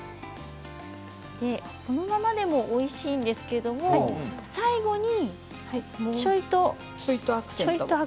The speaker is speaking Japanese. このままでもおいしいんですけれども最後にちょいとアクセントを。